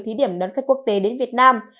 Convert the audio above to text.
thí điểm đón khách quốc tế đến việt nam